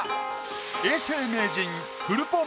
永世名人フルポン